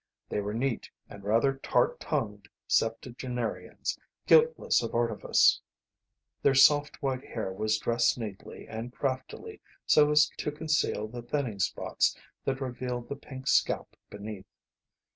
They were neat and rather tart tongued septuagenarians, guiltless of artifice. Their soft white hair was dressed neatly and craftily so as to conceal the thinning spots that revealed the pink scalp beneath.